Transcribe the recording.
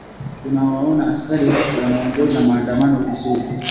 tunawaona askari hapa wanaongoza maandamano vizuri